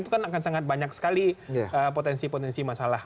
itu kan akan sangat banyak sekali potensi potensi masalah